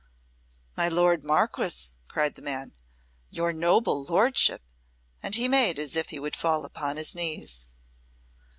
"My lord Marquess," cried the man; "your noble lordship," and he made as if he would fall upon his knees.